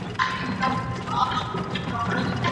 ولي ملي سوداګر ساختماني مواد له هند څخه واردوي؟